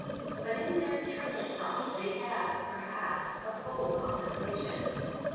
But in their turnip crop they have, perhaps, a full compensation.